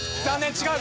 違う。